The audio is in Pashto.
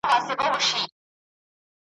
چي انسان خداى له ازله پيدا كړى ,